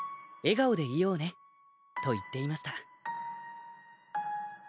笑顔でいようね」と言っていました。